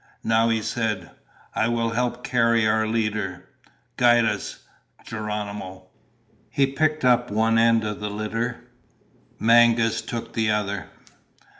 Now he said: "I will help carry our leader. Guide us, Geronimo." He picked up one end of the litter. Mangas took the other.